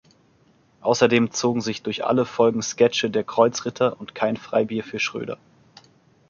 Außerdem zogen sich durch alle Folgen Sketche der "Kreuzritter" und "Kein Freibier für Schröder".